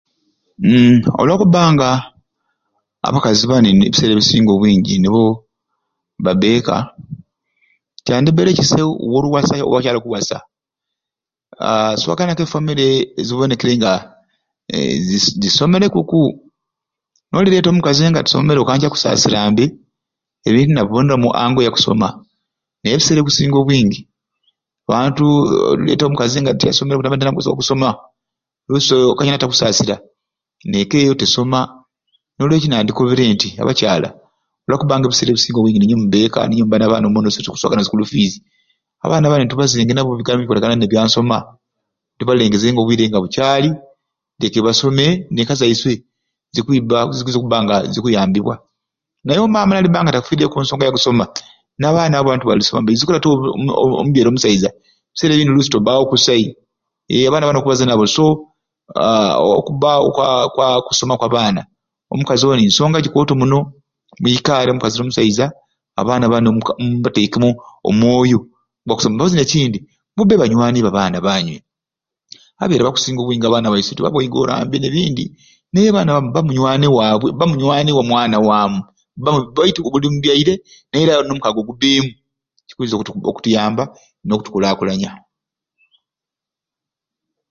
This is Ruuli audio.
Hmm olwakubanga abakazi bani ebisera ebikusinga obwingi nibo baba ekka kyandibaire kisai we oruwasa oba akyali kuwasa aaa swaganaku e family ezibonekere nga ze zisomereku ku nolireta omukazi nga tasomere okanca akusasira mbe ebintu nabibonera omu angle ya kusoma naye ebisera ebikusinga obwingi abantu oleta omukazi tiyasomereku tamaite na kusoma olusi okanca nataskusasira ne ekka eyo tesoma nolwekyo nandikobere nti abakyala lwakuba nti ebisera ebingi ninywe buba ekka ninywe muba na baana iswe tuba tukuswagana school fees abaana bani tubazenge nabo okubigambo bya nsoma tubalengeze nga obwire bukyali leke basome neka zaiswe okuba ku zikwiza kuba nga zikuyambibwanaye omaama niyaba nga tafiireyo okunsonga ya kusoma n'abaana bona tebalisoma izukira toye omubyere omusaiza ebisera ebindi tobawo kusai iye abaana bani okubaza nabo so haa okubawo okusoma kwaba omukazi oni nsonga gyikoto muno mwikare omukazi nomusaiza abaana mu mubatekemu omwoyo gwa kusoma mpozi nekyindi mube banywani ba baana banywe babyere abakusinga obwingi olusi tubabogoirambe nolundi naye omwana ba munywani wabwe munywani wa mwana wamu oli mubyaire Nate nomukago kubemu olusi kyikwiza okutuyambamu